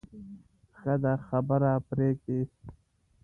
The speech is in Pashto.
ښه ده خبره پرېږدې.